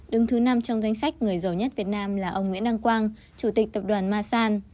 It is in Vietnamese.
đứng thứ năm trong danh sách người giàu nhất việt nam là ông nguyễn đăng quang chủ tịch tập đoàn masan